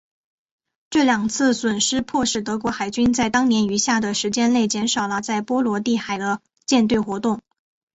这两次损失迫使德国海军在当年余下的时间内减少了在波罗的海的舰队活动。